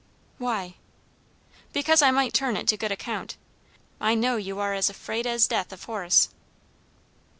"Why?" "Because I might turn it to good account. I know you are as afraid as death of Horace."